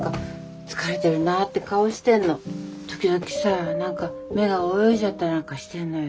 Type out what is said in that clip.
時々さ何か目が泳いじゃったりなんかしてんのよ。